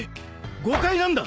誤解なんだ！